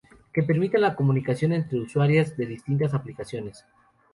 que permitan la comunicación entre usuarias de distintas aplicaciones